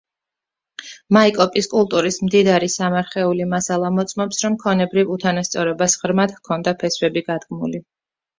მაიკოპის კულტურის მდიდარი სამარხეული მასალა მოწმობს, რომ ქონებრივ უთანასწორობას ღრმად ჰქონდა ფესვები გადგმული.